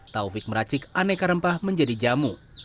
taufik meracik aneka rempah menjadi jamu